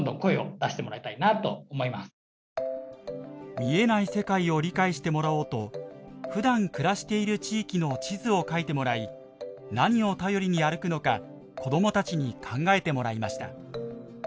見えない世界を理解してもらおうとふだん暮らしている地域の地図をかいてもらい何を頼りに歩くのか子どもたちに考えてもらいました。